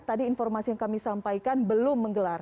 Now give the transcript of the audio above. tadi informasi yang kami sampaikan belum menggelar